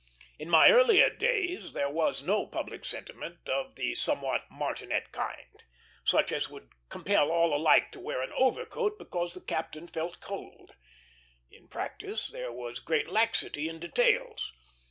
In my earlier days there was no public sentiment of the somewhat martinet kind; such as would compel all alike to wear an overcoat because the captain felt cold. In practice, there was great laxity in details.